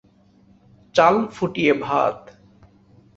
চাল ফুটিয়ে ভাত।